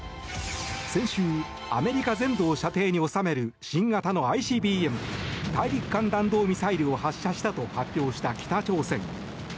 先週、アメリカ全土を射程に収める新型のＩＣＢＭ・大陸間弾道ミサイルを発射したと発表した北朝鮮。